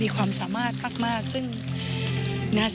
พี่ว่าความมีสปีริตของพี่แหวนเป็นตัวอย่างที่พี่จะนึกถึงเขาเสมอ